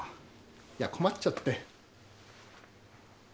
いや困っちゃって。